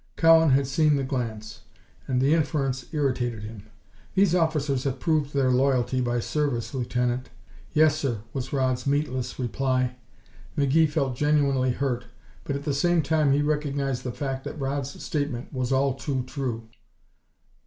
Cowan had seen the glance, and the inference irritated him. "These officers have proved their loyalty by service, Lieutenant." "Yes, sir," was Rodd's meatless reply. McGee felt genuinely hurt, but at the same time he recognized the fact that Rodd's statement was all too true.